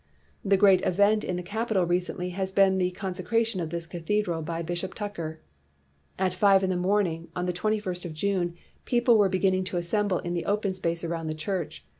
"The great event in the cajntal recently has been the consecration of this cathedral by Bishop Tucker. At five in the morning of the twenty first of June, people were be ginning to assemble in the open space around the church.